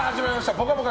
「ぽかぽか」